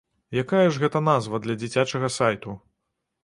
Якая ж гэта назва для дзіцячага сайту?